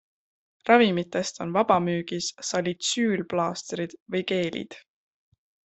Ravimitest on vabamüügis salitsüülplaastrid või -geelid.